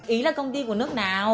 ý là công ty của nước nào